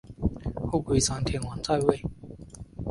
后龟山天皇在位。